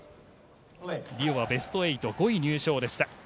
リオはベスト８５位入賞でした。